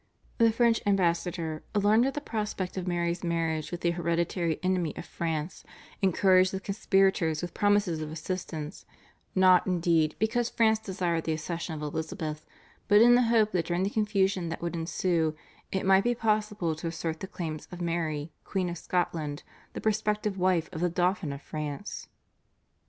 The French ambassador, alarmed at the prospect of Mary's marriage with the hereditary enemy of France, encouraged the conspirators with promises of assistance, not, indeed, because France desired the accession of Elizabeth, but in the hope that during the confusion that would ensue it might be possible to assert the claims of Mary Queen of Scotland, the prospective wife of the Dauphin of France.